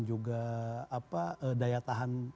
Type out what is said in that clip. juga apa daya tahan